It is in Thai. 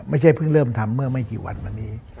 เพิ่งเริ่มทำเมื่อไม่กี่วันมานี้